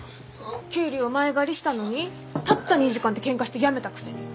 給料前借りしたのにたった２時間でケンカして辞めたくせに。